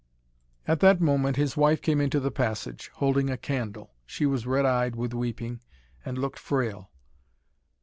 At that moment his wife came into the passage, holding a candle. She was red eyed with weeping, and looked frail.